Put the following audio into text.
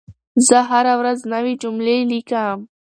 زه هره ورځ نوي جملې لیکم.